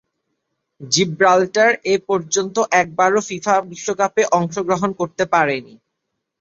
Gibraltar এপর্যন্ত একবারও FIFA বিশ্বকাপে অংশগ্রহণ করতে পারেনি।